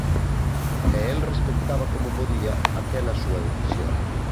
E el respectaba como podía aquela súa decisión.